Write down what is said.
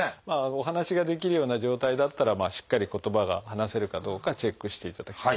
お話ができるような状態だったらしっかり言葉が話せるかどうかチェックしていただきたいですね。